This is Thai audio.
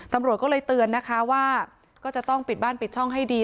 ตำรวจก็เลยเตือนนะคะว่าก็จะต้องปิดบ้านปิดช่องให้ดี